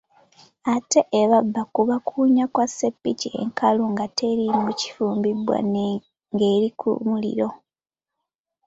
Ate ebbabe kuba kuwunya kwa sseppiki enkalu nga teriimu kifumbibwa ng'eri ku muliro.